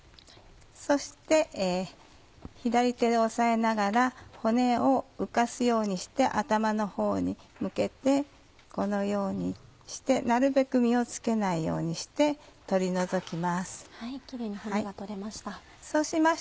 そして左手で押さえながら骨を浮かすようにして頭のほうに向けてこのようにしてなるべく身を付けないようにして取り除きます。